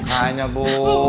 tidak hanya bu